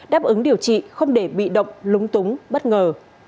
đáp ứng điều trị không để bị động lúng túng bất ngờ